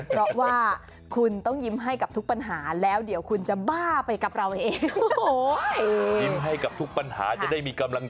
เพราะว่าคุณต้องยิ้มให้กับทุกปัญหาแล้วเดี๋ยวคุณจะบ้าไปกับเราเอง